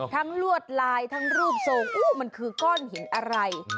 ลวดลายทั้งรูปทรงมันคือก้อนหินอะไร